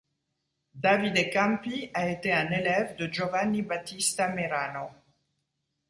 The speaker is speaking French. Davide Campi a été un élève de Giovanni Battista Merano.